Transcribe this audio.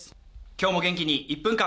今日も元気に「１分間！